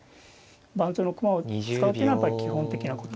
盤上の駒を使うってのはやっぱり基本的なこと。